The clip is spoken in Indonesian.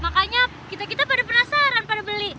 makanya kita kita pada penasaran pada beli